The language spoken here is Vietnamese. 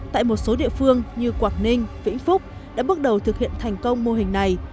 tại một số địa phương như quảng ninh vĩnh phúc đã bước đầu thực hiện thành công mô hình này